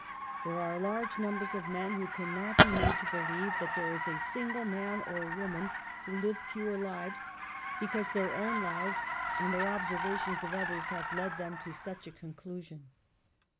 There are large numbers of men who cannot be made to believe that there is a single man or woman who live pure lives, because their own lives and their observations of others have led them ! to such a conclusion.